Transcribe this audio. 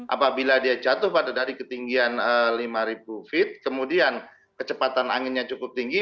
apabila dia jatuh pada dari ketinggian lima ribu feet kemudian kecepatan anginnya cukup tinggi